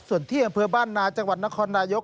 ส่วนที่อำเภอบ้านนาจังหวัดนครนายก